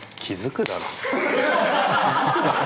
気づくだろ。